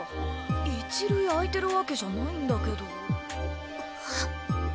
一塁空いてるわけじゃないんだけど。